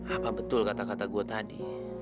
apa betul kata kata gue tadi